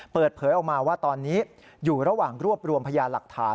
เปิดเผยออกมาว่าตอนนี้อยู่ระหว่างรวบรวมพยานหลักฐาน